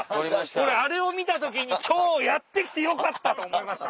俺あれを見た時に今日やって来てよかったと思いました。